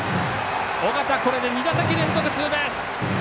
尾形、これで２打席連続ツーベース。